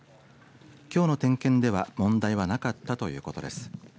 きょうの点検では問題はなかったということです。